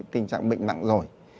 tình trạng bệnh nặng rồi